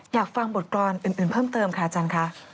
อยากฟังบทกรรมอื่นเพิ่มเติมค่ะอาจารย์คะ